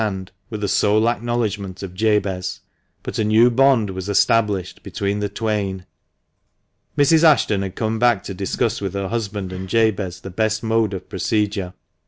hand, were the sole acknowledgment of Jabez. But a new bond was established between the twain. Mrs. Ashton had come back to discuss with her husband and Jabez the best mode of procedure.